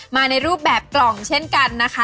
ในรูปแบบกล่องเช่นกันนะคะ